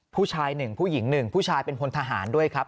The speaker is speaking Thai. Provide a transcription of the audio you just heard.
ผู้ชาย๑ผู้หญิง๑ผู้ชายเป็นพลทหารด้วยครับ